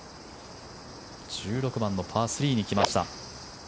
１６番のパー３に来ました。